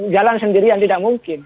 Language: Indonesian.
jalan sendirian tidak mungkin